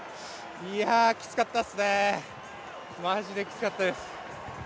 いやあ、きつかったですね、まじできつかったです。